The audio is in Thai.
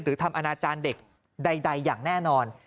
ทำอนาจารย์เด็กใดอย่างแน่นอน